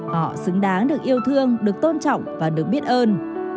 họ xứng đáng được yêu thương được tôn trọng và được biết ơn